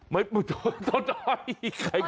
ไม่ต้นอ้อยใครก็เอาต้นอ้อย